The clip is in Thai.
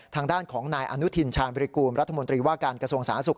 ทางด้านของนายอนุทินชาญบริกูลรัฐมนตรีว่าการกระทรวงสาธารณสุข